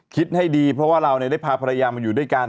คิดให้ดีเพราะว่าเราได้พาภรรยามาอยู่ด้วยกัน